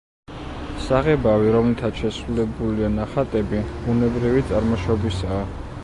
საღებავი, რომლითაც შესრულებულია ნახატები, ბუნებრივი წარმოშობისაა.